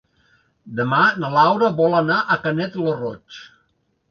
Demà na Laura vol anar a Canet lo Roig.